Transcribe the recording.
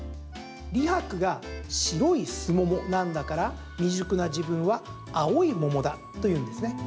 李白が、白い李なんだから未熟な自分は青い桃だというんです。